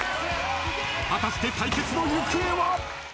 果たして対決の行方は。